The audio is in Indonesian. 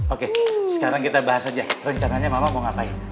oke sekarang kita bahas aja rencananya mama mau ngapain